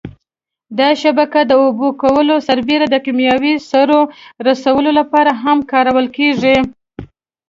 دا شبکه د اوبه کولو سربېره د کېمیاوي سرو رسولو لپاره هم کارول کېږي.